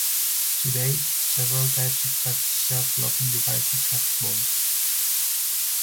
To date, several types of such self-locking devices have evolved.